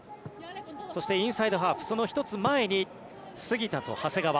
そしてインサイドハーフその１つ前に杉田と長谷川。